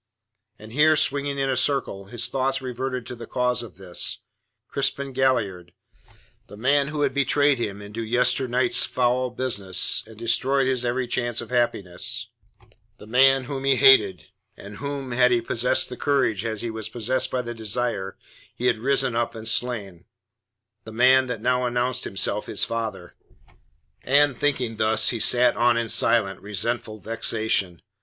And here, swinging in a circle, his thoughts reverted to the cause of this Crispin Galliard, the man who had betrayed him into yesternight's foul business and destroyed his every chance of happiness; the man whom he hated, and whom, had he possessed the courage as he was possessed by the desire, he had risen up and slain; the man that now announced himself his father. And thinking thus, he sat on in silent, resentful vexation.